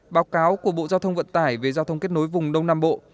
báo cáo của bộ giao thông vận tải về giao thông kết nối vùng đông nam bộ